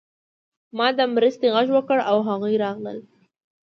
ما د مرستې غږ وکړ او هغوی راغلل